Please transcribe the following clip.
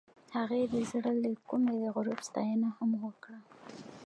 هغې د زړه له کومې د غروب ستاینه هم وکړه.